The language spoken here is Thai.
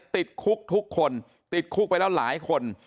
ติดคุกทุกคนติดคุกไปแล้วหลายคน